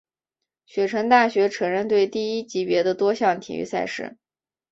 雪城大学橙人队第一级别的多项体育赛事。